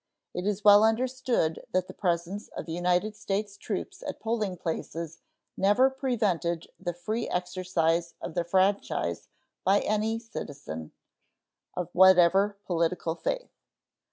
It is well understood that the presence of United States troops at polling places never prevented the free exercise of the franchise by any citizen, of whatever political faith.